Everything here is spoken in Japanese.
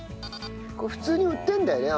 これ普通に売ってるんだよね？